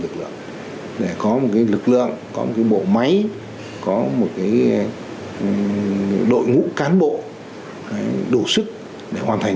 lực lượng để có một cái lực lượng có một cái bộ máy có một cái đội ngũ cán bộ đủ sức để hoàn thành